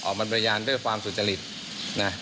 ออกมาเป็นพยานด้วยความสุจริตนะ